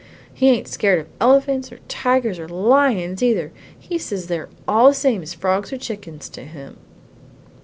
He ain't scared of elephants or tigers or lions either; he says they're all the same as frogs or chickens to him!"